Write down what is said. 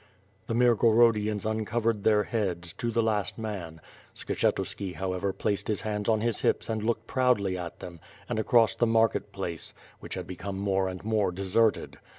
The Mirgorodians uncovered their heads, to the last man, Skshetuski, however, placed his hands on his hips and looked proudly at them, and across the market place, which had be come more and more deserted.